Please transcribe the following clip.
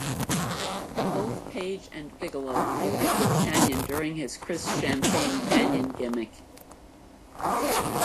Both Page and Bigelow feuded with Kanyon during his Chris "Champagne" Kanyon gimmick.